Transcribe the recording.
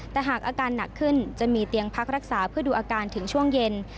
แต่หากอาการหนักขึ้นจะมีเตียงพักรักษาเพื่อดูอาการถึงช่วงเย็น